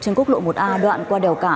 trên quốc lộ một a đoạn qua đèo cả